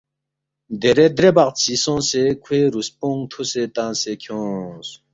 دیرے درے بقچی سونگسے کھوے رُوسپونگ تُھوسے تنگسے کھیونگس